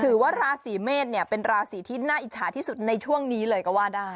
ถือว่าราศีเมษเนี่ยเป็นราศีที่น่าอิจฉาที่สุดในช่วงนี้เลยก็ว่าได้